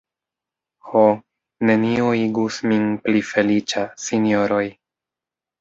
Ho; nenio igus min pli feliĉa, sinjoroj.